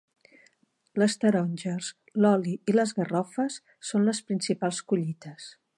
Les taronges, l'oli i les garrofes són les principals collites.